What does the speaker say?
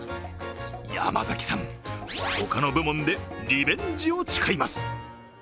山崎さん、他の部門でリベンジを誓います。